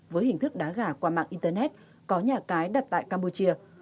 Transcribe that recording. với hình thức đá gà qua mạng internet có nhà cái đặt tại campuchia